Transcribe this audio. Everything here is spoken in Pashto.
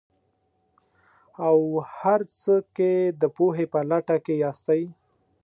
او هر څه کې د پوهې په لټه کې ياستئ.